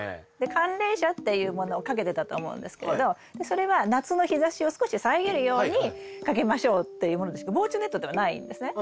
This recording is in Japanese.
寒冷紗っていうものをかけてたと思うんですけどそれは夏の日ざしを少し遮るようにかけましょうっていうもので防虫ネットではないんですね。